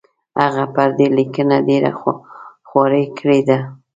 هغه پر دې لیکنه ډېره خواري کړې ده.